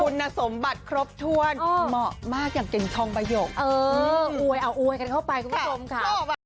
คุณสมบัติครบถ้วนเหมาะมากอย่างเก่งทองใบกอวยเอาอวยกันเข้าไปคุณผู้ชมค่ะ